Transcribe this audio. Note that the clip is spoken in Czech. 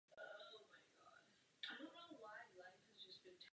Evropská ekonomika musí být založena na práci.